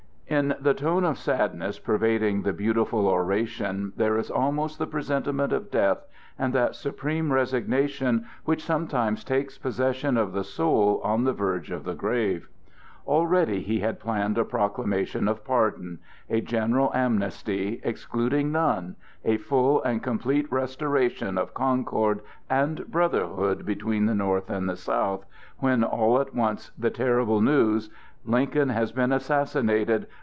In the tone of sadness pervading the beautiful oration there is almost the presentiment of death and that supreme resignation which sometimes takes possession of the soul on the verge of the grave. Already he had planned a proclamation of pardon,—a general amnesty, excluding none, a full and complete restoration of concord and brotherhood between the North and the South, when all at once the terrible news "Lincoln has been assassinated!